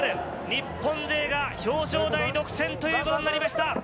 日本勢が表彰台独占ということになりました。